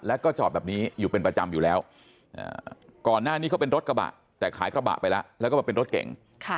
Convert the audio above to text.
แล้วก็จอดแบบนี้อยู่เป็นประจำอยู่แล้วก่อนหน้านี้เขาเป็นรถกระบะแต่ขายกระบะไปแล้วแล้วก็มาเป็นรถเก่ง